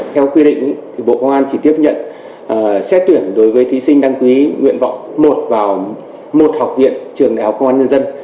theo quy định bộ công an chỉ tiếp nhận xét tuyển đối với thí sinh đăng ký nguyện vọng một vào một học viện trường đại học công an nhân dân